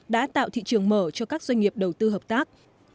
đã tạo thị trường mở cho các doanh nghiệp đầu tư hợp tác